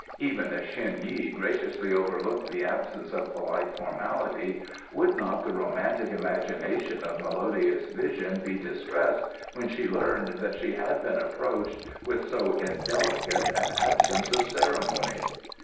Even if Shen Yi graciously overlooked the absence of polite formality, would not the romantic imagination of Melodious Vision be distressed when she learned that she had been approached with so indelicate an absence of ceremony?